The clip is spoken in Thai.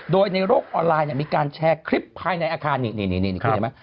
โดยในโลกออนไลน์มีการแชร์คลิปภายในอาคารนี่คุณเห็นไหม